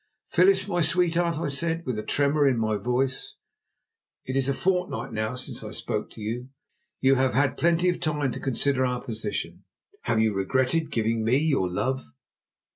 "Phyllis, my sweetheart," I said, with a tremor in my voice, "it is a fortnight now since I spoke to you. You have had plenty of time to consider our position. Have you regretted giving me your love?"